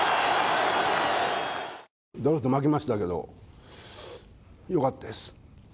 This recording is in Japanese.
ドラフト負けましたけど、よかったです。